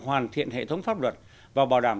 hoàn thiện hệ thống pháp luật và bảo đảm